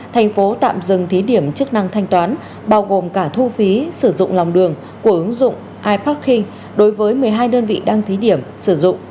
thành phố tạm dừng thí điểm chức năng thanh toán bao gồm cả thu phí sử dụng lòng đường của ứng dụng iparking đối với một mươi hai đơn vị đăng thí điểm sử dụng